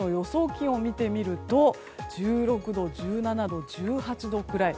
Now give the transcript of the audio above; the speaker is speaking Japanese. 気温を見てみると１６度、１７度、１８度くらい。